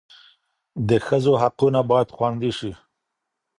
د ښځو حقونه باید خوندي سي.